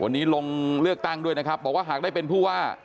วันนี้ลงเลือกตั้งด้วยนะครับบอกว่าหากได้เป็นผู้ว่า